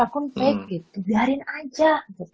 akun pack gitu biarin aja